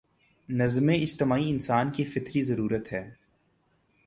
نظم اجتماعی انسان کی فطری ضرورت ہے۔